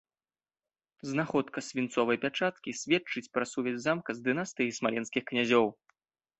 Знаходка свінцовай пячаткі сведчыць пра сувязь замка з дынастыяй смаленскіх князёў.